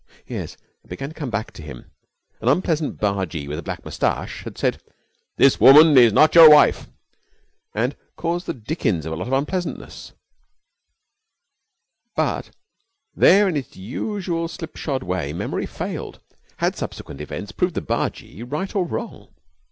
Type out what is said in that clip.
Yes, it began to come back to him. An unpleasant bargee with a black moustache had said, 'This woman is not your wife!' and caused the dickens of a lot of unpleasantness; but there in its usual slipshod way memory failed. Had subsequent events proved the bargee right or wrong?